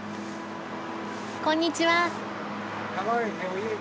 こんにちは。